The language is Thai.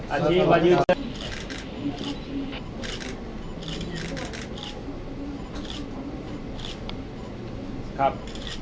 อ่าสำหรับ